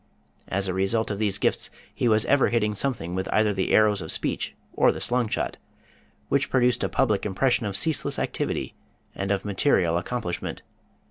As a result of these gifts he was ever hitting something with either the arrows of speech or the slungshot, which produced a public impression of ceaseless activity and of material accomplishment.